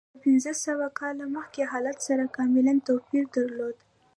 د پنځه سوه کاله مخکې حالت سره کاملا توپیر درلود.